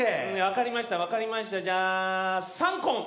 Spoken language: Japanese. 分かりました分かりましたじゃあ「さんこん」！